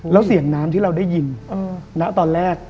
แล้วเสียงน้ำที่เราได้ยินณตอนแรก